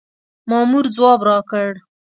مامور ځواب راکړ.